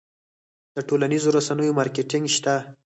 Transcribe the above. د ټولنیزو رسنیو مارکیټینګ شته؟